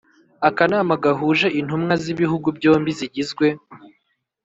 akanama gahuje intumwa z'ibihugu byombi zigizwe